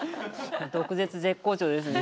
毒舌絶好調ですね。